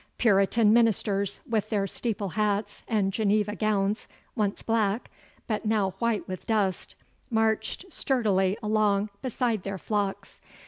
Puritan ministers, with their steeple hats and Geneva gowns, once black, but now white with dust, marched sturdily along beside their flocks.